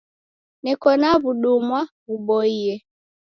Neko na w'udumwa ghuboie.